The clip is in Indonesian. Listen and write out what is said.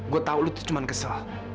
gue tau lu itu cuma kesel